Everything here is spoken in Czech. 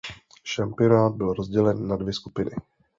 Šampionát byl rozdělen na dvě skupiny.